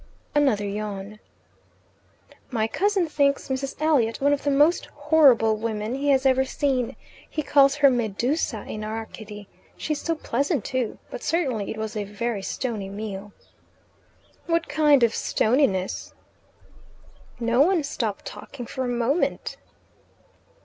Another yawn. "My cousin thinks Mrs. Elliot one of the most horrible women he has ever seen. He calls her 'Medusa in Arcady.' She's so pleasant, too. But certainly it was a very stony meal." "What kind of stoniness" "No one stopped talking for a moment."